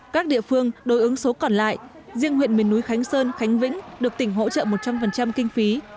các địa phương đối ứng số còn lại riêng huyện miền núi khánh sơn khánh vĩnh được tỉnh hỗ trợ một trăm linh kinh phí